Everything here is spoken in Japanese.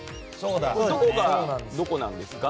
どこがどこなんですか？